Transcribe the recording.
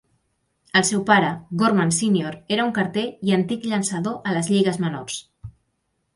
El seu pare, Gorman Sr, era un carter i antic llançador a les lligues menors.